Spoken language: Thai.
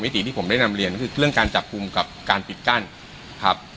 ติที่ผมได้นำเรียนก็คือเรื่องการจับกลุ่มกับการปิดกั้นครับ